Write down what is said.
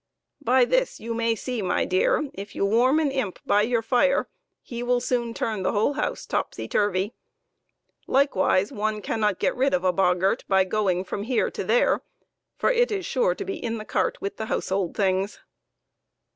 By this you may see, my dear, if you warm an imp by your fire, he will soon turn the whole house topsy turvey. Likewise, one cannot get rid of a boggart by going from here to there, for it is sure to be in the cart with the household things.